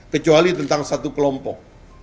kecuali tentang satu kelompok